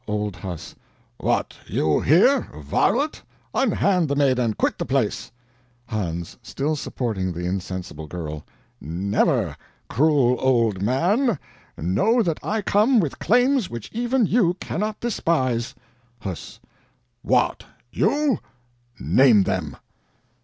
Old Huss: "What, you here, varlet? Unhand the maid and quit the place." Hans (still supporting the insensible girl): "Never! Cruel old man, know that I come with claims which even you cannot despise." Huss: "What, YOU? name them."